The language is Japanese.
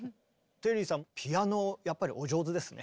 テリーさんピアノやっぱりお上手ですね。